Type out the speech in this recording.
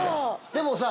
でもさ。